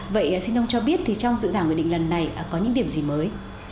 vậy xin ông cho biết thì trong dự thảo nghị định lần này có những điểm gì mới